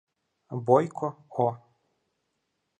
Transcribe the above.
Бойко О.